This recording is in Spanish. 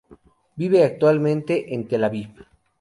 Vive actualmente en Tel Aviv